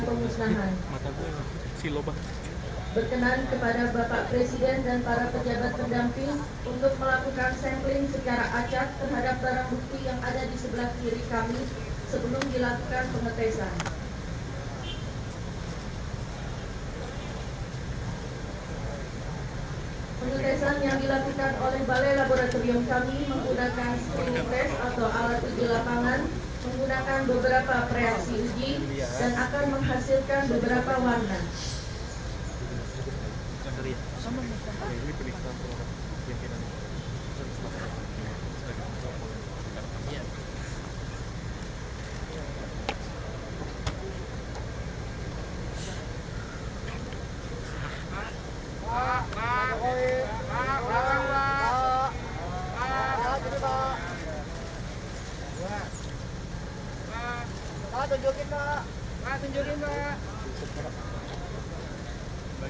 presiden republik indonesia